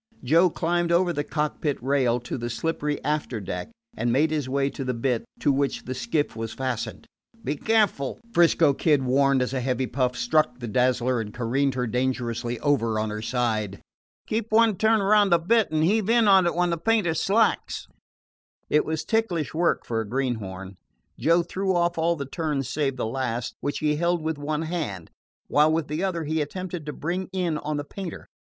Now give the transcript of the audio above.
Joe climbed over the cockpit rail to the slippery after deck, and made his way to the bitt to which the skiff was fastened. "Be careful," 'Frisco Kid warned, as a heavy puff struck the Dazzler and careened her dangerously over on her side. "Keep one turn round the bitt, and heave in on it when the painter slacks." It was ticklish work for a greenhorn. Joe threw off all the turns save the last, which he held with one hand, while with the other he attempted to bring in on the painter.